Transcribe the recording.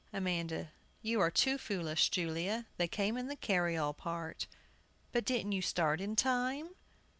AMANDA. You are too foolish, Julia. They came in the carryall part. But didn't you start in time?